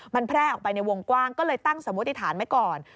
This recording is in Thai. มันแพร่ออกไปในวงกว้างก็เลยตั้งสมมติฐานไว้ก่อน